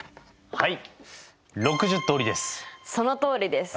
はい。